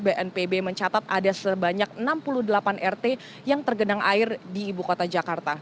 bnpb mencatat ada sebanyak enam puluh delapan rt yang tergenang air di ibu kota jakarta